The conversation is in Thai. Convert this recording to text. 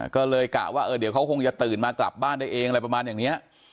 ก็เลยกะว่าเดี๋ยวเขาคงจะตื่นมากลับบ้านได้เองอะไรประมาณอย่างนี้